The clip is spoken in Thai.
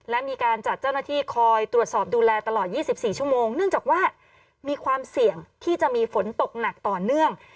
และมีการจัดเจ้าหน้าที่คอยตรวจสอบดูแลตลอด๒๔ชั่วโมงเนื่องจากว่ามีความเสี่ยงที่จะมีฝนตกหนักต่อเนื่อง